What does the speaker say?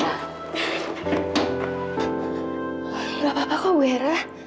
enggak apa apa kok bu hera